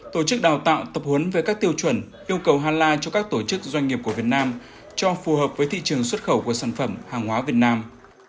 tổ chức đào tạo tập huấn về các tiêu chuẩn yêu cầu hà la cho các tổ chức doanh nghiệp của việt nam cho phù hợp với thị trường xuất khẩu của sản phẩm hàng hóa việt nam